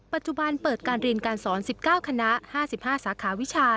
ปัจจุบันเปิดการเรียนการสอน๑๙คณะ๕๕สาขาวิชา